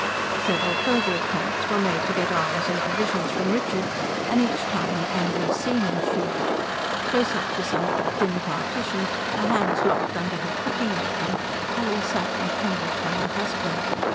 Several further attempts were made to get arms and provisions from Richard; and each time an angry scene ensued. Close up beside the thin partition, her hands locked under her cooking apron, Polly sat and trembled for her husband.